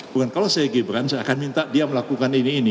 bukan kalau saya gibran saya akan minta dia melakukan ini ini